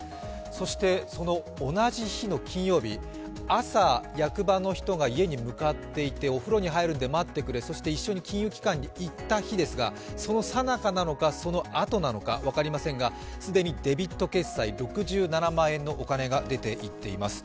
そして、同じ日、朝役場の人が向かっていてお風呂に入るので待ってくれ、そして一緒に金融機関に行った日ですがそのさなかなのか、そのあとなのか分かりませんが、既にデビット決済、６７万円のお金が出て行っています。